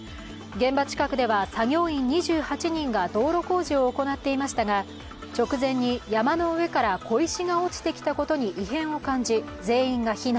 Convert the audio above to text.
現場近くでは作業員２８人が道路工事を行っていましたが直前に山の上から小石が落ちてきたことに異変を感じ全員が避難。